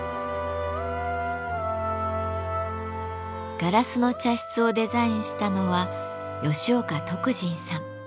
「ガラスの茶室」をデザインしたのは吉岡徳仁さん。